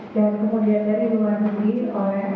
dan kemudian dari luar negeri oleh s satu